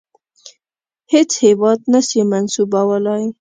هیڅ هیواد نه سي منسوبولای.